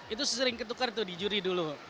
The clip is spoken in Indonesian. itu sesering ketukar tuh di juri dulu